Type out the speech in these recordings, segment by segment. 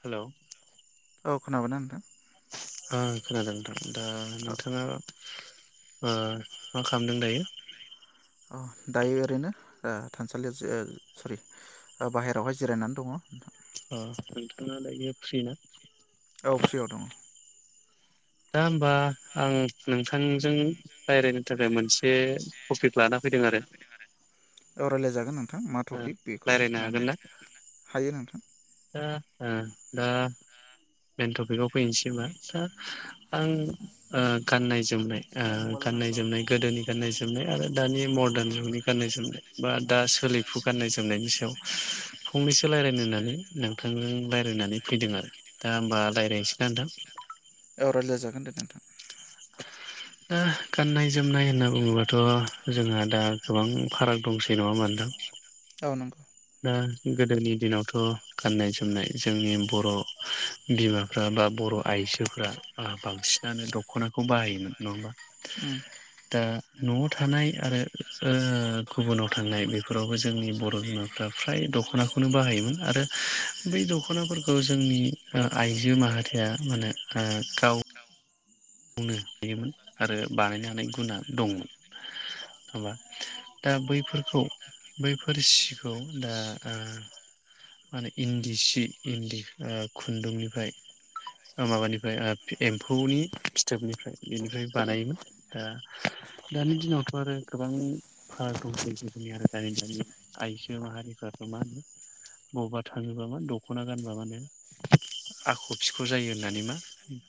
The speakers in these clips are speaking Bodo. हेलौ औ खोनाबायना नोंथां? ओ खोनादों नोंथां दा औ नोंथाङा ओ मा खालामदों दायो? औ दायो ओरैनो ओ थानसालियाव जिर सरि ओ बाहेरयावहाय जिरायनानै दङ। ओ नोंथाङा दायो फ्रिना? औ फ्रियाव दङ। दा होमबा आं नोंथांजों रायरायनो थाखाय मोनसे से टपिक लाना फैदों आरो औ रायलायजागोन नोंथां मा ओ टफिक बेखौ रायज्लायनो लाना हागोन ना? हायो नोंथां दा ओ दा मेन टपिकआव फैनोसैबा दा आं ओ गाननाय जो जोमनाय ओमफ्राय ओ मबाइलाव नांगौ गाननाय लांफै जोमनाय गोदोनि गाननाय जोमनाय आरो दानि मरदान जुगनि गाननाय जोमनाय बा दा सोलिफु गाननाय जोमनायनि सायाव फंनैसो रायलायनो होननानै नोंथांजों रायलायनानै फैदों आरो दा होमबा रायज्लायनोसै ना नोंथां? औ रायलाय जागोन [unintelligible] नोंथां दा गाननाय जोमनाय होनना बुङोबाथ जोंहा दा गोबां फाराग दंसै नङा होमबा नोंथां अ नंगौ [unintelligible] गोदोनि दिनावथ गाननाय जोमनाय जोंनि बर बिमाफ्रा बा बर आइजोफ्रा ओ बांसिनानो दखनाखौ बाहायोमोन नङा होमबा उम ओ नआव थानाय आरो ओ गुबुनाव थांनाय बेफोरावबो जोंनि बर बिमा फ्रा फ्राय दखनाखौनो बाहायोमोन आरो बै दखनाफोरखौ जोंनि ओ आइजो माहारिया माने ओ गाव गावनो दायोमोन आरो बानायनो हानाय गुना दंमोन होमबा दा बैफोरखौ बैफोर सिखौ दा ओ मानो इन्दि सि इन्दि ओ‌ खुन्दुंनिफ्राय ओ माबानिफ्राय ओ फि एम्फौनि फि थोबनिफ्राय बेनिफ्राय बानायोमोन दा दानि दिनावथ आरो गोबां फाराग दंसै गोदोनि आरो दानि दानि आइजो माहारिफ्राथ मा होनो मबावबा थाङोबा मा दखना गानबा मा नो आख‌ फिख जायो होननानै मा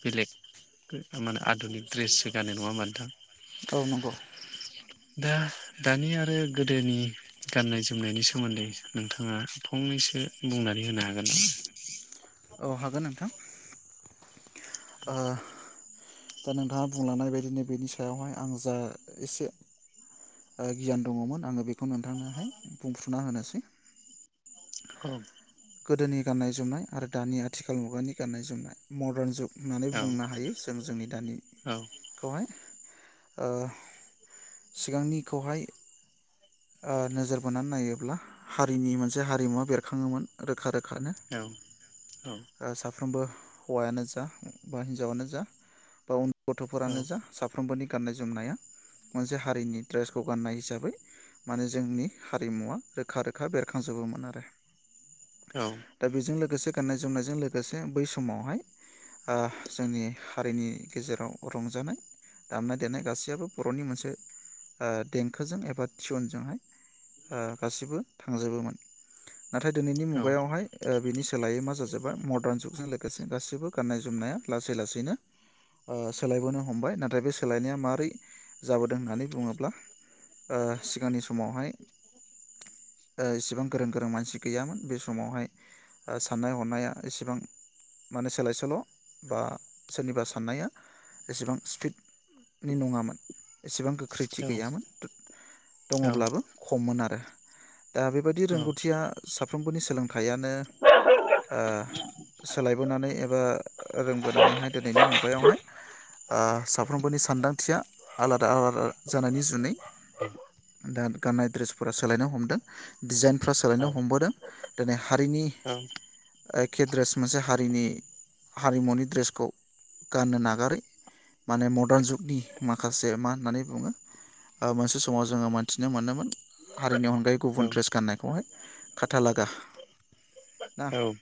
बेलेगखो ओम मानो आधुनिक द्रेससो गानो नङा होमबा नोंथां औ नंगौ दा दानि आरो गोदोनि गाननाय जोमनायनि सोमोन्दै नोंथाङा फंनैसो बुंनानै होनो हागोन औ हागोन नोंथां ओ दा नोंथाङा बुंलांनाय बायदिनो बेनि सायावहाय आं जा एसे ओ गियान दङमोन आङो बे खौ नोंथांनोहाय बुंफ्रुना होनोस [unintelligible] औ गोदोनि गाननाय जोमनाय आरो दानि आथिखाल मुगानि गाननाय जोमनाय मदार्न जुग होननानै बुंनो औ हायो जों जोंनि औ दानिखौहाय ओ सिगांनिखौहाय ओ नोजोर बोनानै नायोब्ला हारिनि मोनसे हारिमुवा बेरखाङोमोन रोखा रो खानो औ ओ साफ फ्रोमबो हौवायानो जा बा हिनजावानो जा बा उन गथफोरानो जा साफ्रोमबोनि गाननाय जोमनाया मोनसे हारिनि द्रेसखौ गाननाय हिसाबै मानो जोंनि हारिमुवा रोखा रोखा बेरखांजोबोमोन आरो औ दा बेजों लोगोसे गाननाय जोमनायजों लोगोसे बै समावहाय ओ जोंनि हारिनि गेजेराव रंजानाय दामनाय देनाय गासैयाबो बरनि मोनसे ओ देंखोजों एबा टुइनजोंहाय ओ गासिबो थांजोबोमोन। नाथाय दोनैनि मुं मुगायावहाय ओ बिनि सोलायै मा जाजोबा मर्दान जुगजों लो गोसे गासैबो गान्नाय जोमनाया लासै लासैनो ओ सोलायबोनो हमबाय। नाथाय बे सोलायनाया मारै जाबोदों होन्नानै बुङोब्ला ओ सिगांनि समावहाय एसेबां गोरों गोरों मानसि गैयामोन बे समावहाय ओ सान्नाय हनाया एसेबां माने सोलाय सोल' बा सोरनिबा सान्नाया एसेबां स्पिडनि नङामोन। एसेबां गोख्रैथि औ गैयामोन दङब्लाबो खममोन आ ओह दा बेबायदि रोंगौथिया साब [inaudible] खायानो ओ सोलायबोनानै एबा रोंबोनानैहाय दोनैनि मुगायावहाय साफ्रोमबोनि सानदांथिया आलादा आलादा जानायनि जुनै दा गान्नाय द्रेस फोरा सोलायनो हमदों डिजाइन फ्रा सोलायनो हमबोदों। दोनै हारिनि एखे ड्रेस मोनसे हारिनि हारिमुनि ड्रेसखौ गान्नो नागारै माने मर्दान जुगनि माखासे मा होन्नानै बुङो ओ मोनसे समाव जोङो मोन्थिनो मोनोमोन हारिनि अनगायै गुबुन ड्रेस गान्नायखौहाय खा थालागा ना। औ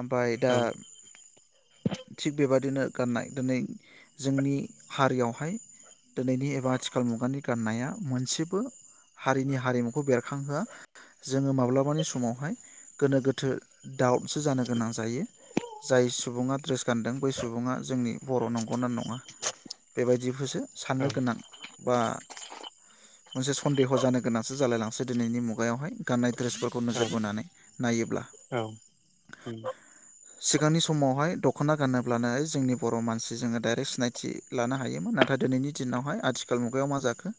ओमफ्राय दा थिग बेबादिनो गान्नाय दिनै जोंनि हारियावहाय दिनैनि एबा आथिखाल मुगानि गान्नाया मोनसेबो हारिनि हारिमुखौ बेरखांहोआ जोङो माब्लाबानि सम समावहाय गोनो गोथो दाउटसो जानो गोनां जायो। जाय सुबुङा ड्रेस गानदों बै सुबुङा जोंनि बर' नंगौना नङा बेबायदिखोसो सान्नो औ गोनां बा मोनसे सन्देह जानो गोनांसो जालायलाङो। से दिनैनि मुगायावहाय गान्नाय द्रेसफोर ओ नोजोर उम बोनानै नायोब्ला उम सिगांनि समावहाय दख'ना गानोब्लानो जोंनि बर' मानसि जोङो डाइरेक्ट सिनायथि लानो हायोमोन। नाथाय दिनैनि दिनावहाय आथिखाल मुगायाव मा जाखो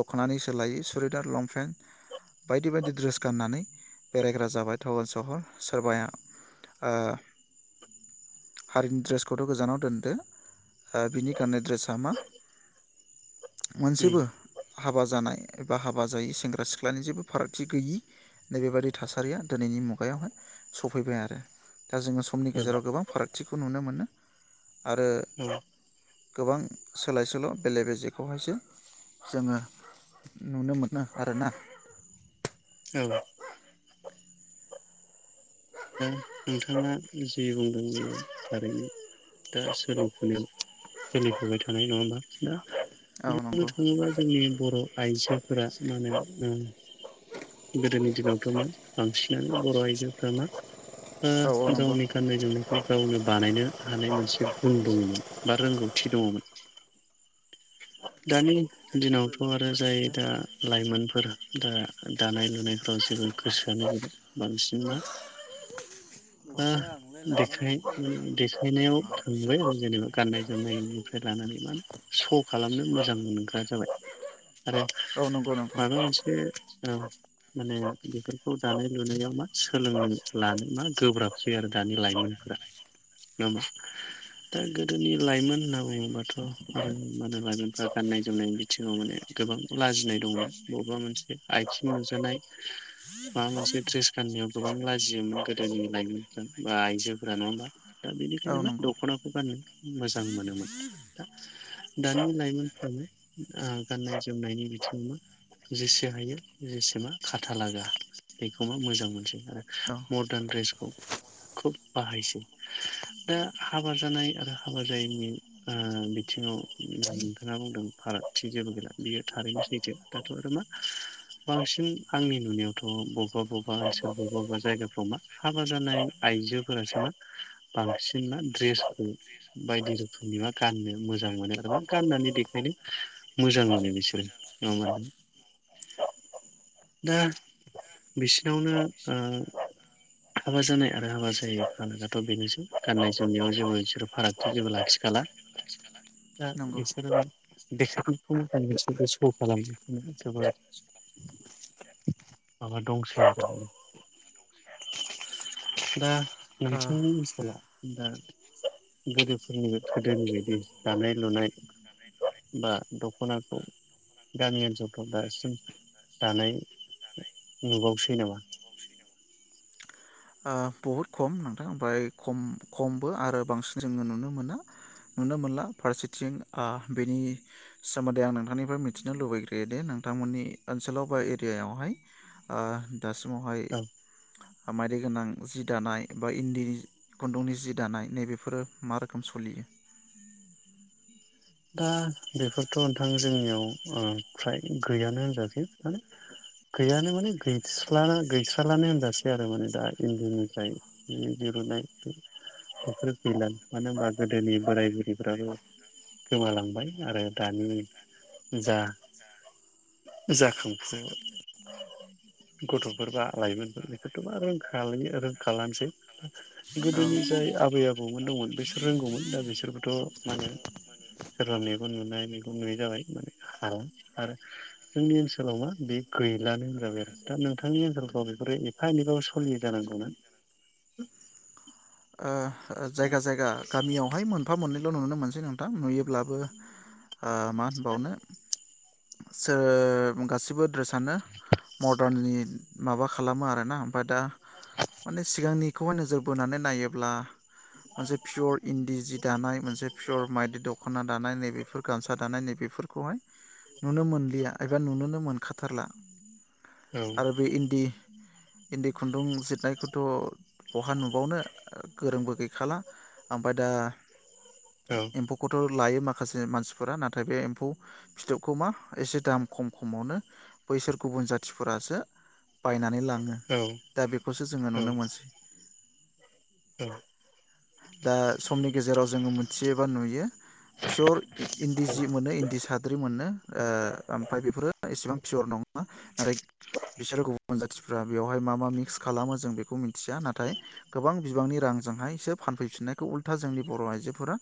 दख'नानि सोलायै सुरिदार लंपेन्ट बायदि बायदि ड्रेस गान्नानै बेरायग्रा जाबाय टाउन सहर। सोरबाया ओ हारिनि ड्रेसखौथ गोजानाव दोन्दो ओ बिनि गान्नाय ड्रेसा मा मोनसेबो हाबा जानाय एबा हाबा जायि सेंग्रा सिख्लानि जेबो फारागथि गैयि नैबेबादि थासारिया दिनैनि मुगायावहाय सफैबाय आरो। दा जोङो समनि गेजेराव गोबां फारागथिखौ नुनो मो नो। आरो औ गोबां सोलाय सोल बेले बेजेखौहायसो जोङो नुनो मोनो आरोना औ दा नोंथाङा जि बुंदों बियो थारैनो दा सोलिफनाय सोलिफुबाय थानाय नङाोमा दा औ बुंनो नंगौ थाङोबा जोंनि बर आइजोफोरा मा होनो ओ गोदोनि दिनाव गोबां बांसिनानो बर आइजोफ्रा मा औ औ ओ नंगौ गावनि गाननाय जोमनायखौ गावनो बानायनो हानाय मोनसे गुन दङमोन बा रोंगौथि दङमोन दानि दिनावथ अ आरो जाय दा लाइमोनफोरा दा दानाय लुनाय [unintelligible] जेबो गोसोआनो बांसिना मा दा देखाय माने देखायनायाव थांबाय आरो जेनेबा गाननाय जोमनायनिफ्राय लानानै मानो स खालामनो मोजां मोनग्रा जाबाय आरो औ नंगौ नंगौ माबा मोनसे औ माने बेफोरखौ जानाय लुनायाव मा सोलोंनो लानो मा गोब्राबसै आरो दानि लाइमोनफोरा नामा दा गोदोनि लाइमोन होनना बुङोबाथ जों मा नो लाइमोनफ्रा गाननाय जोमनायनि बिथिङाव माने गोबां लाजिनाय दंमोन बबेबा मोनसे आथिं नुजानाय माबा मोनसे द्रेस गाननायाव गोबां लाजियोमोन गोदोनि लाइमोनफोर बा आइजोफोरा नङा होमबा दा औ बेनिखायनो मा नंगौ दखनाखौ गानो मोजां मोनोमोन दा-दानि लाइमोनफोरनो आ गाननाय जोमनायनि बिथिङाव मा जेसे हायो जेसेमा खाथालागा बेखौ मा मोजां मोनसै आरो औ मदारन ड्रेसखौ खोब बाहायसै दा हाबा जानाय आरो हाबा जायैनि आ बिथिङाव नोंथाङा बुंदों फारागथि जेबो गैला बियो थारैनो सैथो दाथ आरो मा बांसिन आंनि नुनायावथ बबेबा बबेबा ओनसोलाव बबा-बबेबा जायगाफ्राव मा हाबा जानाय आइजोफोरासो मा बांसिन मा द्रेसखौ बायदि रोखोमनि मा गाननो मोजां मोनो आरो मा गाननानै देखायनो मोजां मोनो बिसोरो [unintelligible] दा बिसिनावनो ओ हाबा जानाय आरो हाबा जायै आलागाथ बेनोसै गाननाय जोमनायाव जेबो सोरो फारागथि जेबो लाखिखाला दा नंगौ बेसोरो [unintelligible] जोबोद माबा दंसै आरो दा नोंसोनि ओन्सोलाव दा गोदोफोरनिबो गोदोनि बायदि दानाय लुनाय बा दखनाखौ गामि ओनसोलफ्राव दासिम दानाय नुबावसै नामा? ओ बहुद खम नोंथां ओमफ्राय खम-खमबो आरो बांसिन जोङो नुनो मोना नुनो मोनला फारसेथिं ओ बेनि सोमोन्दै आं नोंथांनिफ्राय मिथिनो लुबैग्रोयोदि नोंथांमोननि ओनसोलाव बा एरियायावहाय ओ दासिमावहाय औ हामाय [unintelligible] गोनां जि दानाय बा इन्दि खुन्दुंनि जि दानाय नैबेफोरो मा रोखोम सलियो। दा बेफोरथ नोंथां जोंनियाव ओ फ्राय गैयानो होनजासै माने गैयानो माने गैस्ला गैस्रालानो होनजासै आरो माने दा इन्दिनिफ्राय दिहुनाय बेफोर गैलानो मानो होनबा गोदोनि बोराय बुरैफ्राबो गोमालांबाय आरो दानि जा जाखांफु गथ फोर बा लाइमोनफोर बेखौथ आरो रोंखालानोसै आरो रोंखालानोसै औ गोदोनि जाय आबै आबौमोन दंमोन बिसोर रोंगौमोन दा बिसोरबोथ मा होनो। सोरबा मेगन नुनाय मेगन नुयै जाबाय माने हाला आरो जोंनि ओनसोलाव मा बे गैलानो होनजाबाय आरो दा नोंथांनि ओनसोलखौ बेफोरो एफा एनैबाबो सोलियो दा नंगौ ना? ओ जायगा जायगा गामियावहाय मोनफा मोननैल नुनो मोनसे सै नोंथां नुयोब्लाबो हा मा होनबावनो। सो गासिबो दड्रेसानो मर्दाननि माबा खालामो आरोना। फादा माने सिगांनि खौहा नोजोर बोनानै नायोब्ला मोनसे पियर इन्दि जि दानाय मोनसे पियर माइदि दख'ना दानाय नैबेफोर गामसा दानाय नैबेफोर खौहाय नुनो मोनलिया एबा नुनोनो मोनखाथारला। आरो औ बे इन्दि इन्दि खुन्दुं जिरनायखौथ बहा नुबावनो गोरोंबो गैखाला आमबाय दा औ एम्फौखौथ' लायो माखासे मानसिफोरा नाथाय बे एम्फौ फिथोबखौ मा एसे दाम खम खमावनो बैसोर गुबुन जाथिफोरासो बायनानै ला ङो औ दा बेखौसो जोङो औ नुनो मोनसै। औ। दा समनि गेजेराव जोङो मोन्थियो एबा नुयो पियर इ इन्दि जि मोनो इन्दि साद्रि मोन्नो ओ ओमफ्राय बेफोरो एसेबां पियर नङा नाथाय बिसोरो गुबुन जाथिफ्रा बेवहाय मा मा मिक्स खालामो जों बेखौ मि न्थिया नाथाय गोबां बिबांनि रांजोंहाय सोब फानफैफिननायखौ उल्था जोंनि बर' आइजोफोरा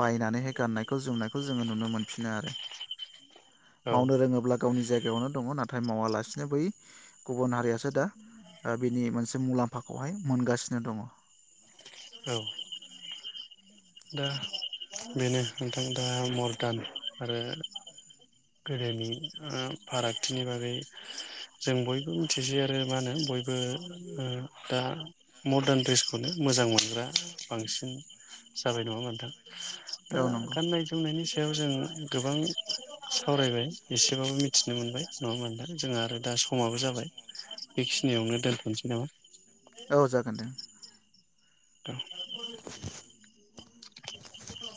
बायनानै हाय गान्नायखौ जोमनायखौ जोङो नुनो मोनफिनो आरो। औ मावनो रोङोब्ला गावनि जाय बेयावनो दंङ नाथाय मावालासिनो बै गुबुन हारियासो दा ओ बिनि मोनसे मुलाम्फाखौहाय मोनगासिनो दंङो। औ दा बेनो नोंथां दा मर्दान आरो गोदोनि ओ फारागथिनि बागै जों बयबो मिथिसै आरो मा होनो बयबो ओ दा मर्दान ड्रेसखौनो मोजां मोनो। [unintelligible] बांसिन जाबाय नङा होनबा नोंथां। दा औ नंगौ गान्नाय जोमनायनि सा सायाव जों गोबां सावरायबाय एसेबाबो मिथिनो मोनबाय नङा होनबा नोंथां जोंहा आरो दा समाबो जाबाय। बेखिनियावनो दोन्थनिसै नामा? औ जागोन दे। औ।